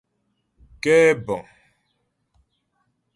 Kɛ́bə̀ŋ.